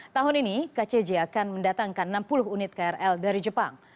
tahun ini kcj akan mendatangkan enam puluh unit krl dari jepang